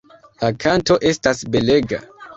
La kanto estas belega.